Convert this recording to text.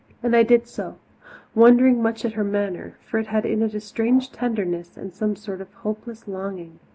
And I did so, wondering much at her manner for it had in it a strange tenderness and some sort of hopeless longing.